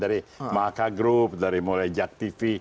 dari maka group dari mulai jak tv